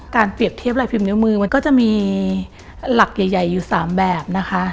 เปรียบเทียบลายพิมพ์นิ้วมือมันก็จะมีหลักใหญ่อยู่๓แบบนะคะ